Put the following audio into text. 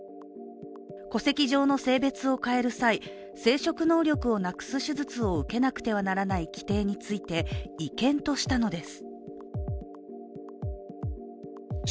戸籍上の性別を変える際生殖能力をなくす手術を受けなくてはならない規定について違憲としたのです。